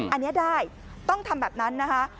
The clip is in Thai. อันนี้ได้ต้องทำแบบนั้นนะคะ